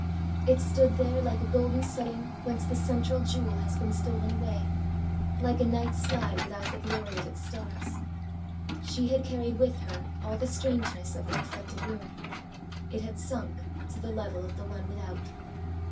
It stood there like a golden setting whence the central jewel has been stolen awayãlike a night sky without the glory of its stars. She had carried with her all the strangeness of the reflected room. It had sunk to the level of the one without.